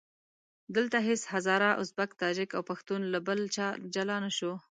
دلته هېڅ هزاره، ازبک، تاجک او پښتون له بل چا جلا نه شو.